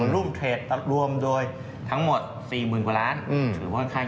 รูมเทรดรวมโดยทั้งหมด๔๐กว่าล้าน